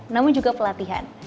namun juga pelatihan